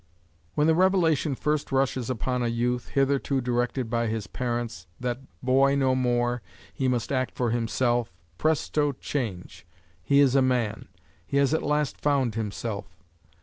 When the revelation first rushes upon a youth, hitherto directed by his parents, that, boy no more, he must act for himself, presto! change! he is a man, he has at last found himself.